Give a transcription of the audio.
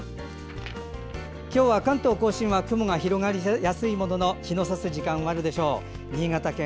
今日は関東・甲信は雲が広がりやすいものの日のさす時間はあるでしょう。